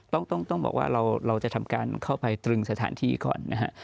ต้องต้องบอกว่าเราจะทำการเข้าไปตรึงสถานที่ก่อนนะฮะ